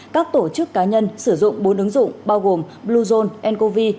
các tổ chức cá nhân sử dụng bốn ứng dụng bao gồm bluezone ncov